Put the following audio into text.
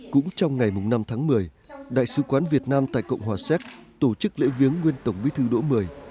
cũng trong ngày năm tháng một mươi đại sứ quán việt nam tại cộng hòa séc tổ chức lễ viếng nguyên tổng bí thư độ một mươi